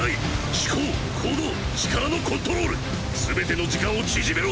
思考行動力のコントロール全ての時間を縮めろ。